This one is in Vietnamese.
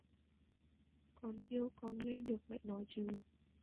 Còn yêu còn nghe được Mẹ nói chứ